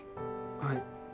はい。